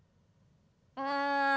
うん。